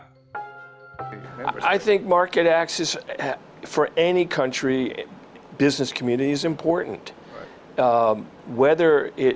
saya pikir pemerintah memiliki akses ke pasar untuk seluruh negara dan komunitas bisnis yang penting